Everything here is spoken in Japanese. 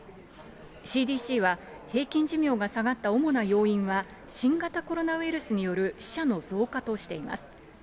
ＣＤＣは、平均寿命が下がった主な要因は、新型コロナウイルスによる死者の増加としています。